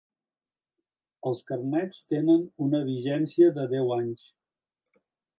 Els carnets tenen una vigència de deu anys.